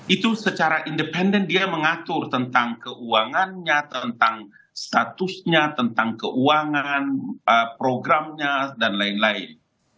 itu secara independen dia mengatur tentang keuangannya tentang statusnya tentang keuangan programnya dan lain lain